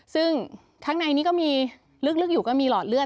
ซึ่งทั้งในนี้ก็มีลึกอยู่ก็มีหลอดเลือด